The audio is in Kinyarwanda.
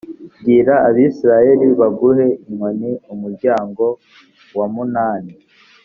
bwira abisirayeli baguhe inkoni umuryango wa munani